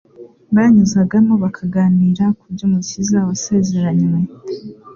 Banyuzagamo bakaganira ku byUmukiza wasezeranywe,